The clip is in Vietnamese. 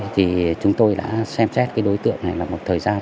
thì chúng tôi đã xem xét cái đối tượng này là một thời gian